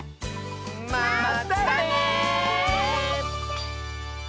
まったね！